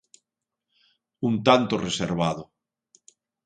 Un tanto reservado.